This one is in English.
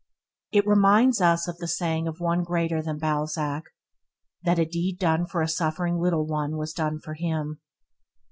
It reminds us of the saying of One greater than Balzac, that a deed done for a suffering little one was done for him.